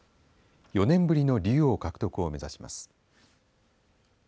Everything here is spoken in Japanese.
４年ぶりの竜王獲得を目指します。